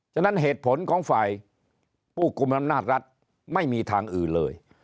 ฉะนั้นเหตุผลของฝ่ายผู้กลุ่มอำนาจรัฐไม่มีทางอื่นเลย